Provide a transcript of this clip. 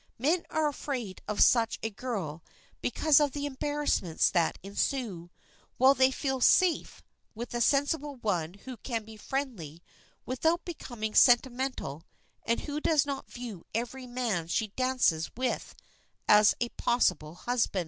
Men are afraid of such a girl because of the embarrassments that ensue, while they feel "safe" with a sensible one who can be friendly without becoming sentimental and who does not view every man she dances with as a possible husband.